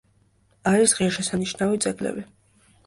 არის ღირსშესანიშნავი ძეგლები.